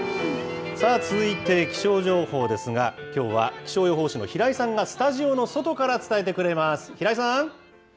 さあ、続いて気象情報ですが、きょうは気象予報士の平井さんがスタジオの外から伝えてくれます。